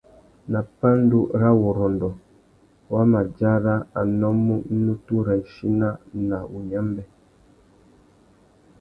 Nà pandúrâwurrôndô, wa mà dzara a nnômú nutu râ ichina na wunyámbê.